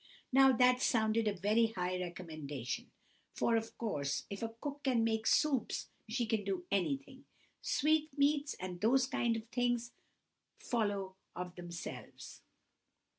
Now that sounded a very high recommendation, for, of course, if a cook can make soups, she can do anything—sweetmeats and those kind of things follow of themselves.